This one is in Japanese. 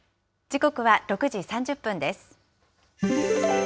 時刻は６時３０分です。